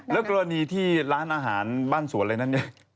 แล้วกรณีที่ร้านอาหารบ้านสวนอะไรนั้นเนี่ย